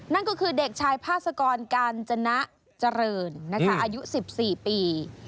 นั่นก็คือเด็กชายพาสกรกาญจนะเจริญอายุ๑๔ปี